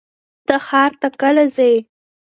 ته ښار ته کله ځې؟